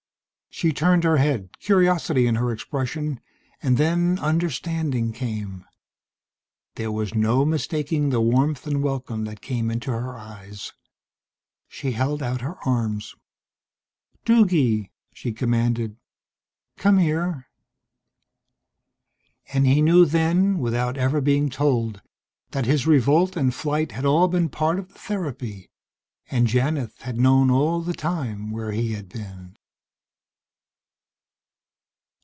She turned her head, curiosity in her expression, and then understanding came. There was no mistaking the warmth and welcome that came into her eyes. She held out her arms. "Duggy," she commanded, "come here." And he knew then, without ever being told, that his revolt and flight had all been part of the therapy, and Janith had known all the time where he had been....